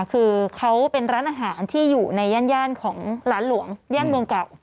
คือเขาเป็นร้านอาหารที่อยู่ในย่านของร้านหลวงย่านเมืองเก่า